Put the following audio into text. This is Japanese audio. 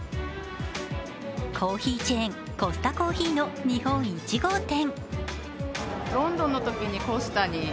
コーヒーチェーン、コスタコーヒーの日本１号店。